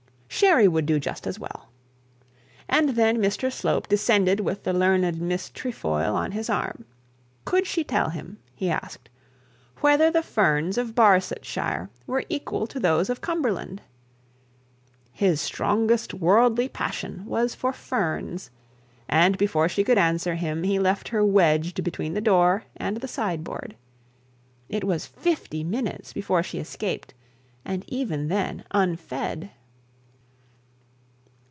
Sherry would do just as well. And then Mr Slope descended with the learned Miss Trefoil on his arm. Could she tell him, he asked, whether the ferns of Barsetshire were equal to those of Cumberland? His strongest worldly passion was for ferns and before she could answer him he left her wedged between the door and the sideboard. It was fifty minutes before she escaped, and even then unfed.